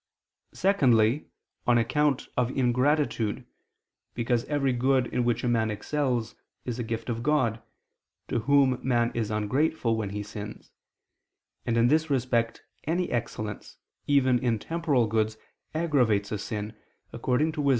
Secondly, on account of ingratitude, because every good in which a man excels, is a gift of God, to Whom man is ungrateful when he sins: and in this respect any excellence, even in temporal goods, aggravates a sin, according to Wis.